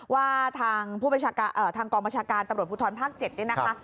ว่าทางกองบัญชาการตำรวจภูทรภาค๗เนี่ยนะคะ